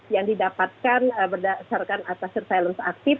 yang didapatkan berdasarkan atas surveillance aktif